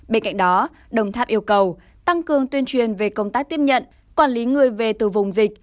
bên cạnh đó đồng tháp yêu cầu tăng cường tuyên truyền về công tác tiếp nhận quản lý người về từ vùng dịch